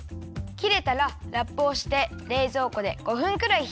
きれたらラップをしてれいぞうこで５分くらいひやすよ。